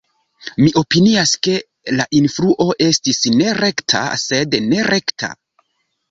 Mi opinias, ke la influo estis ne rekta, sed nerekta.